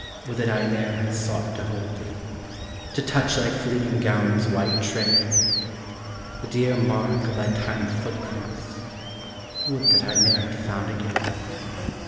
Would that I ne'er had sought to hold thee, To touch thy fleeing gown's white train! The dear mark of thy tiny footprints Would that I ne'er had found again!